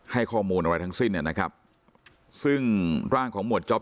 ให้ข้อมูลอะไรทั้งสิ้นนะครับซึ่งร่างของหมวดจ๊อป